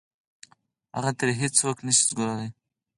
هغه ترې هېڅ څوک نه شي ګرځولی.